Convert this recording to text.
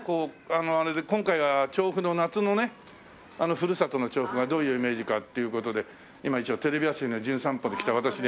ふるさとの調布はどういうイメージかという事で今一応テレビ朝日の『じゅん散歩』で来た私ね